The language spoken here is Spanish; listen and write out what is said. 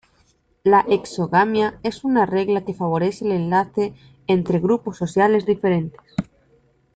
La exogamia es una regla que favorece el enlace entre grupos sociales diferentes.